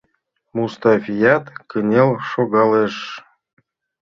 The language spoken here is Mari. Муставият кынел шогалеш.